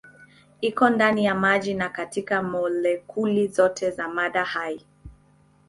Iko ndani ya maji na katika molekuli zote za mada hai.